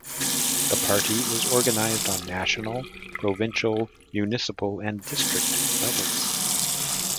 The party is organized on national, provincial, municipal and district levels.